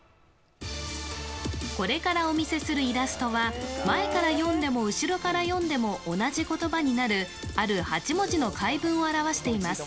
これからお見せするイラストは前から読んでも後ろから読んでも同じ言葉になるある８文字の回文を表しています。